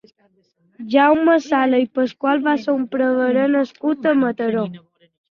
Jaume Sala i Pasqual va ser un prevere nascut a Mataró.